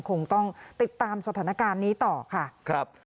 คุณภูริพัฒน์ครับ